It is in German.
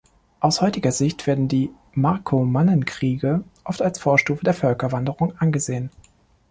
Aus heutiger Sicht werden die Markomannenkriege oft als Vorstufe der Völkerwanderung angesehen.